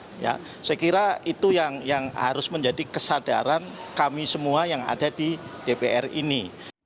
saya kira itu yang harus menjadi kesadaran kami semua yang ada di dpr ini